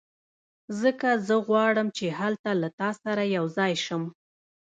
ځکه زه غواړم چې هلته له تا سره یو ځای شم